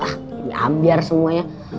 ah ambiar semuanya